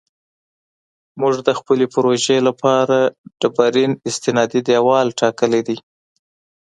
موږ د خپلې پروژې لپاره ډبرین استنادي دیوال ټاکلی دی